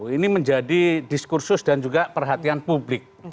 ini menjadi diskursus dan juga perhatian publik